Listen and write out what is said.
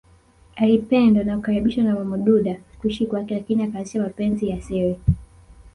Alipendwa na kukaribishwa na Mwamududa kuishi kwake lakini akaanzisha mapenzi ya siri